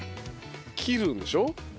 切るんでしょ？